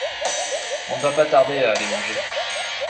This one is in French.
On ne va pas tarder à aller manger!